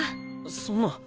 そんな。